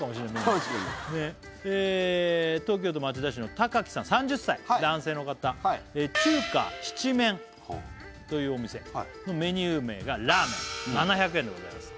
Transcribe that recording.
確かに東京都町田市のたかきさん３０歳男性の方中華七面というお店のメニュー名がラーメン７００円でございます